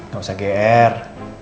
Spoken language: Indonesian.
gak usah gr